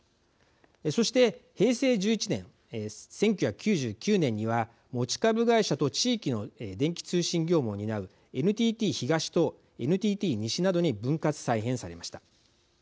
そして平成１１年１９９９年には持ち株会社と地域の電気通信業務を担うＮＴＴ東とＮＴＴ西などに分割再編されました。